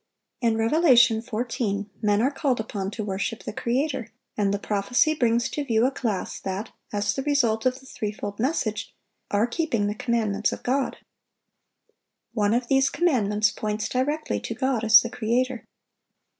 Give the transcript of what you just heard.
(729) In Revelation 14, men are called upon to worship the Creator; and the prophecy brings to view a class that, as the result of the threefold message, are keeping the commandments of God. One of these commandments points directly to God as the creator.